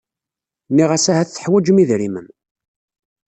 Nniɣ-as ahat teḥwaǧem idrimen.